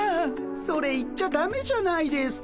それ言っちゃだめじゃないですか。